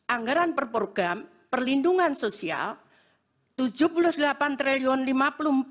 anggaran perprogram perlindungan sosial rp tujuh puluh delapan lima puluh empat satu ratus sembilan puluh enam tujuh ratus enam puluh tujuh